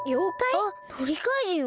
あっのりかいじんは？